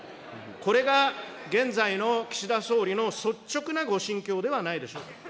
これが現在の岸田総理の率直なご心境ではないでしょうか。